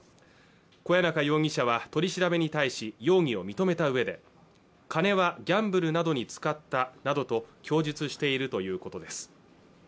小谷中容疑者は取り調べに対し容疑を認めた上で金はギャンブルなどに使ったなどと供述しているということです